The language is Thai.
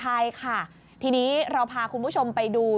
ใช่ค่ะทีนี้เราพาคุณผู้ชมไปดู